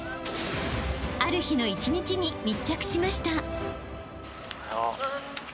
［ある日の一日に密着しました］